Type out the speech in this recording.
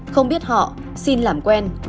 không biết họ xin làm quen